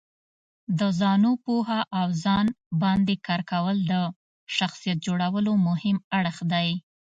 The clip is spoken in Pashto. د ځانو پوهه او ځان باندې کار کول د شخصیت جوړولو مهم اړخ دی.